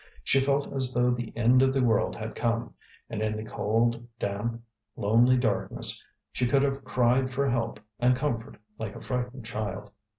She felt as though the end of the world had come, and in the cold, damp, lonely darkness she could have cried for help and comfort like a frightened child.